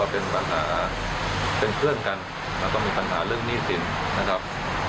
ผู้เสียหายนะครับ